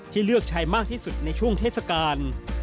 เลือกใช้มากที่สุดในช่วงเทศกาล